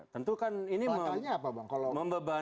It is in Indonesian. tentu kan ini membebani